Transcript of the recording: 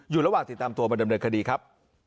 อยู่ระหว่างติดตามตัวประเด็นคดีครับ